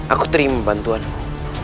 aku terima bantuanmu